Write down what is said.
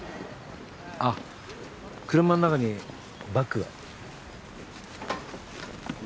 あっ車の中にバッグが。